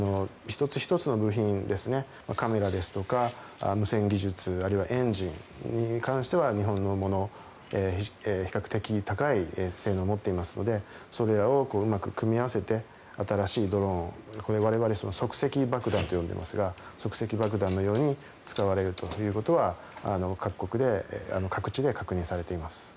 １つ１つの部品カメラですとか無線技術あるいはエンジンに関しては日本のものが比較的高い性能を持っていますのでそれらをうまく組み合わせて新しいドローン我々、即席爆弾と呼んでますが即席爆弾のように使われるということは各地で確認されています。